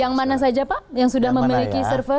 yang mana saja pak yang sudah memiliki server